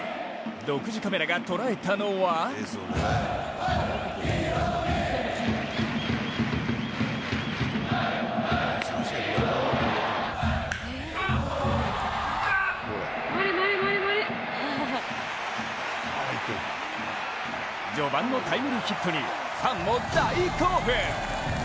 独自カメラが捉えたのは序盤のタイムリーヒットにファンも大興奮。